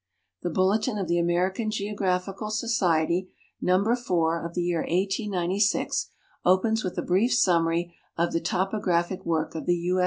The Bulletin of the American Geographical Society, Number 4 of the year 1896, opens with a brief summary of the " Topographic Work of the U.